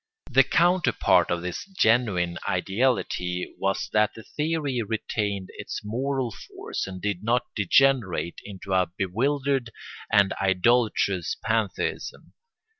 The counterpart of this genuine ideality was that the theory retained its moral force and did not degenerate into a bewildered and idolatrous pantheism.